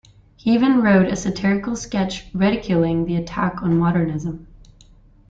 He even wrote a satirical sketch ridiculing the attack on modernism.